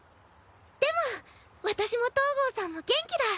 でも私も東郷さんも元気だ。